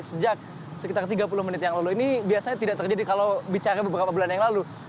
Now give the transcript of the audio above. sejak sekitar tiga puluh menit yang lalu ini biasanya tidak terjadi kalau bicara beberapa bulan yang lalu